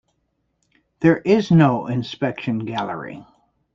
There is no inspection gallery.